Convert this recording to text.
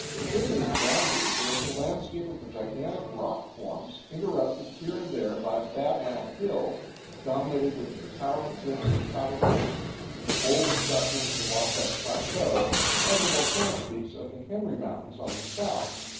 Within these boundaries there is a landscape of gigantic rock forms, interrupted here and there by bad land hills, dominated with the towering cliffs of Tavaputs, the bold escarpment of the Wasatch Plateau, and the volcanic peaks of the Henry Mountains on the south.